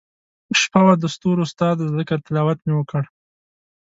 شپه وه دستورو ستا دذکرتلاوت مي وکړ